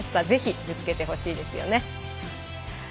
ぜひ、ぶつけてほしいですよね。